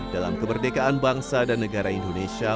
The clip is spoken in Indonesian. dalam kemerdekaan bangsa dan negara indonesia